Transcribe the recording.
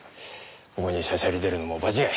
ここにしゃしゃり出るのも場違い。